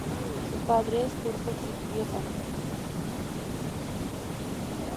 Su padre es turcochipriota.